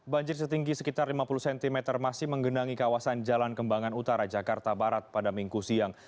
banjir setinggi sekitar lima puluh cm masih menggenangi kawasan jalan kembangan utara jakarta barat pada minggu siang